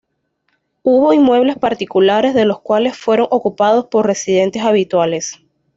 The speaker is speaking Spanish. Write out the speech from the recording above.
Hubo inmuebles particulares de los cuales fueron ocupados por residentes habituales.